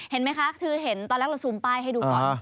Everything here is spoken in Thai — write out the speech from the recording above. เห็นไหมคะคือเห็นตอนแรกเราซูมป้ายให้ดูก่อน